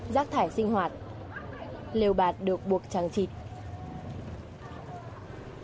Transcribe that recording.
giác thải sinh hoạt liều bạt được buộc trang trịt